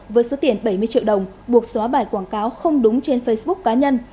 với số tiền bảy mươi triệu đồng buộc xóa bài quảng cáo không đúng trên facebook cá nhân